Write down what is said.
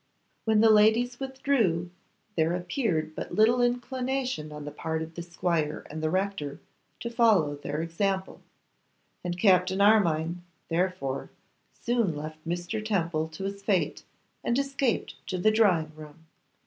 When the ladies withdrew there appeared but little inclination on the part of the squire and the rector to follow their example; and Captain Armine, therefore, soon left Mr. Temple to his fate, and escaped to the drawing room.